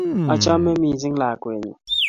acheme misiing lakweenyu